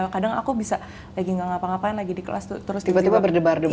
kadang aku bisa lagi gak ngapa ngapain lagi di kelas tuh terus tiba tiba berdebar debar